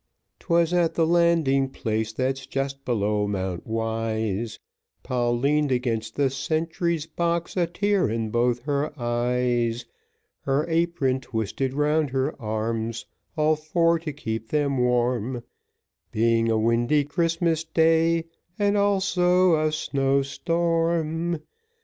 'Twas at the landing place that's just below Mount Wyse, Poll leaned against the sentry's box, a tear in both her eyes, Her apron twisted round her arms, all for to keep them warm, Being a windy Christmas day, and also a snow storm.